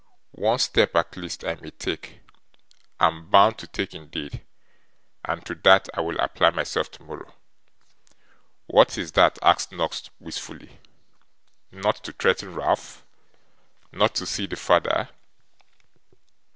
One step, at least, I may take am bound to take indeed and to that I will apply myself tomorrow.' 'What is that?' asked Noggs wistfully. 'Not to threaten Ralph? Not to see the father?